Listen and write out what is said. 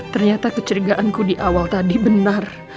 ternyata kecurigaanku di awal tadi benar